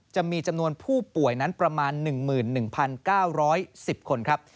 จะมีจำนวนผู้ป่วยนั้นประมาณ๑๑๙๑๐คนครับ